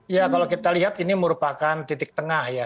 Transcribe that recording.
ya kalau kita lihat ini merupakan titik tengah ya